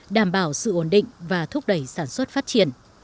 đảm bảo sự ổn định và thúc đẩy sản xuất phát triển